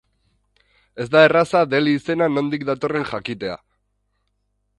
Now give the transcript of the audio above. Ez da erraza Delhi izena nondik datorren jakitea.